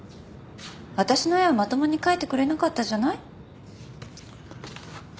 私の絵はまともに描いてくれなかったじゃない？